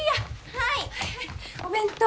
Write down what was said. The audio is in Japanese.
はいはいお弁当。